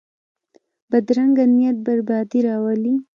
بدرنګه نیت بربادي راولي